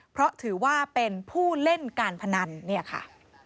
เพราะถือว่าเป็นผู้เล่นการพนันเนี่ยค่ะ